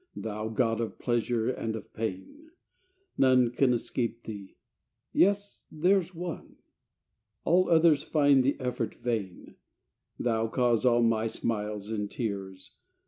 Thou god of pleasure and of pain ! None can escape thee yes there s one All others find the effort vain : Thou cause of all my smiles and tears